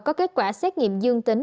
có kết quả xét nghiệm dương tính